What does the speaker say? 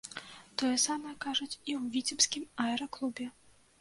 Тое самае кажуць і ў віцебскім аэраклубе.